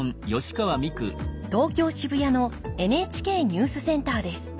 東京・渋谷のＮＨＫニュースセンターです。